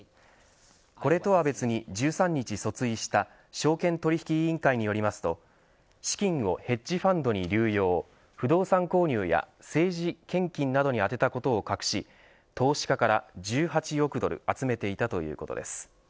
これとは別に１３日訴追した証券取引委員会によりますと資金をヘッジファンドに流用不動産購入や政治献金などに充てたことを隠し投資家から１８億ドル集めていたということです。